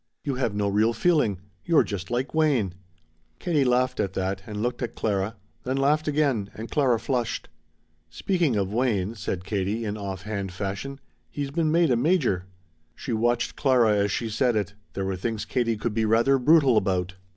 "You have no real feeling. You're just like Wayne." Katie laughed at that and looked at Clara; then laughed again, and Clara flushed. "Speaking of Wayne," said Katie in off hand fashion, "he's been made a major." She watched Clara as she said it. There were things Katie could be rather brutal about.